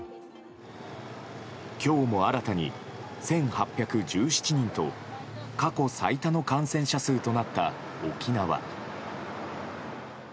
今日も新たに１８１７人と過去最多の感染者数となった沖縄。